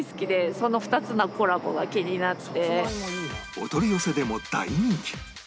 お取り寄せでも大人気